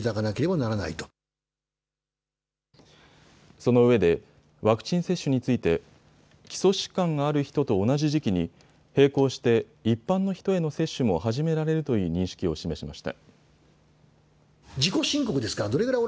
そのうえでワクチン接種について基礎疾患がある人と同じ時期に並行して一般の人への接種も始められるという認識を示しました。